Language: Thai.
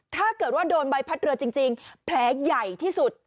ถ้าเกิดว่าโดนใบพัดเรือจริงแผลใหญ่ที่สุด